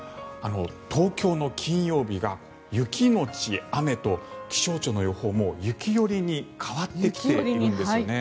東京の金曜日が雪のち雨と気象庁の予報も雪寄りに変わってきているんです。